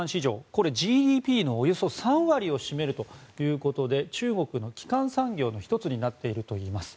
これ、ＧＤＰのおよそ３割を占めるということで中国の基幹産業の１つになっているといいます。